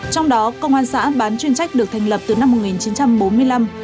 trong đó công an xã bán chuyên trách được thành lập từ năm một nghìn chín trăm bốn mươi năm